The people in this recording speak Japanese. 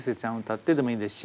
歌ってでもいいですし。